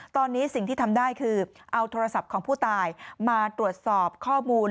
ตอนนี้สิ่งที่ทำได้คือเอาโทรศัพท์ของผู้ตายมาตรวจสอบข้อมูล